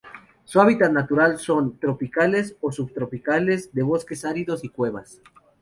Su hábitat natural son: zonas tropicales o subtropicales, de bosques áridos y cuevas.